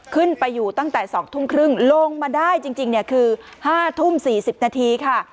ขึ้นไปอยู่ตั้งแต่๒ทุ่มครึ่งลงมาได้จริงคือ๕ทุ่ม๔๐นาทีค่ะ